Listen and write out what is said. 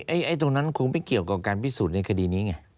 ไอ้ตรงนั้นคงไม่เกี่ยวกับการพิสูจน์ในคดีนี้ไง